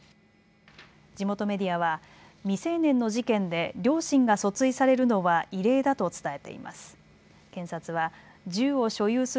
地元メディアは未成年の事件で両親が訴追されるのは異例だと伝えています。